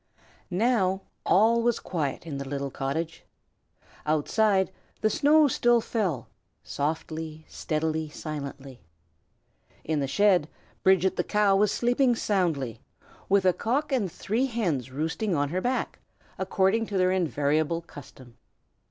Now all was quiet in the little cottage. Outside, the snow still fell, softly, steadily, silently. In the shed, Bridget, the cow, was sleeping soundly, with a cock and three hens roosting on her back, according to their invariable custom.